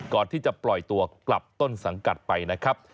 ก่อนที่จะปล่อยตัวกลับต้นสังกัดไปนะครับ